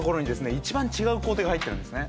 いちばん違う工程が入ってるんですね。